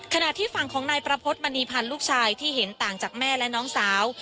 ขณะที่ฝั่งของนายประพฤติมณีพันธ์ลูกชายที่เห็นต่างจากแม่และน้องสาว